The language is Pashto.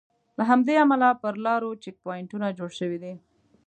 له همدې امله پر لارو چیک پواینټونه جوړ شوي دي.